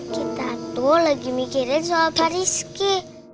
kita tuh lagi mikirin soal pak rizky